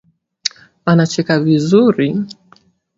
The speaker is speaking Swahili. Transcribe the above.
Anacheka vizuri